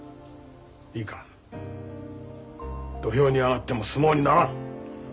いいか土俵に上がっても相撲にならん。